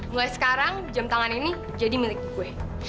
mulai sekarang jam tangan ini jadi milik kue